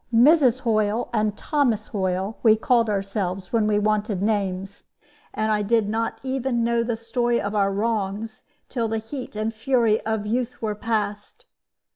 Mrs. Hoyle and Thomas Hoyle we called ourselves when we wanted names; and I did not even know the story of our wrongs till the heat and fury of youth were past.